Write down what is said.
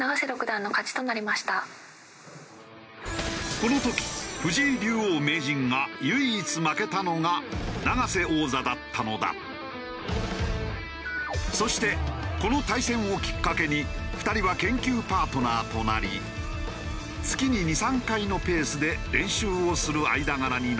この時藤井竜王・名人がそしてこの対戦をきっかけに２人は研究パートナーとなり月に２３回のペースで練習をする間柄になったという。